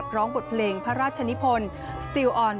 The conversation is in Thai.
เพลงที่๙ทรงโปรดที่๙ทรงโปรด